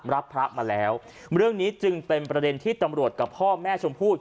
รับพระมาแล้วเรื่องนี้จึงเป็นประเด็นที่ตำรวจกับพ่อแม่ชมพู่